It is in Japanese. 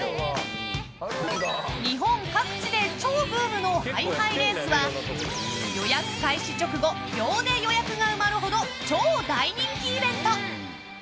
日本各地で超ブームのハイハイレースは予約開始直後秒で予約が埋まるほど超大人気イベント！